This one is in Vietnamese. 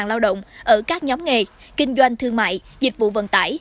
sáu mươi năm lao động ở các nhóm nghề kinh doanh thương mại dịch vụ vận tải